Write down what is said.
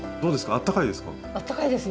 あったかいですよはい。